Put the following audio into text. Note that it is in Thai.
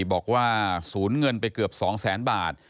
บอกว่าสูญเงินไปเกือบ๒แสนบาท